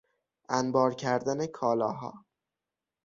انبار کردن کالاها